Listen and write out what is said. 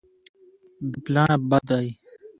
بې پلانه بد دی.